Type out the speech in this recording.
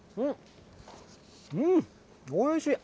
うん、おいしい。